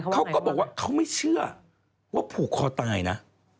เขาก็บอกว่าเขาไม่เชื่อว่าผูกคอตายนะ